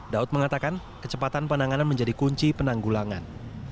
daud mengatakan kecepatan penanganan menjadi kunci penanggulangan